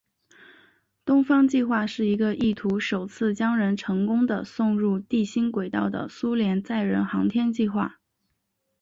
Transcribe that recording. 东方计划是一个意图首次将人成功地送入地心轨道的苏联载人航天计划。